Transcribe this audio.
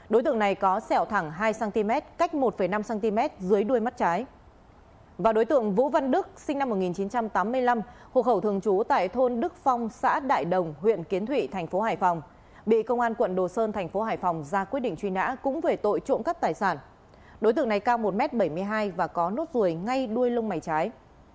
đối tượng này cao một m bảy mươi hai và có nốt ruồi ngay đuôi lông mày trái